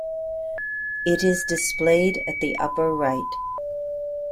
It is displayed at the upper right.